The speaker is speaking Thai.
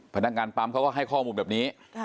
พนักงานปั๊มเขาก็ให้ข้อมูลแบบนี้